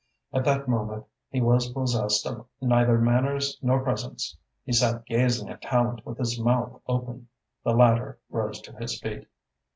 At that moment he was possessed of neither manners nor presence. He sat gazing at Tallente with his mouth open. The latter rose to his feet.